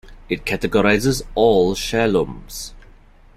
It categorizes all shaloms.